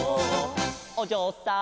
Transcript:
「おじょうさん」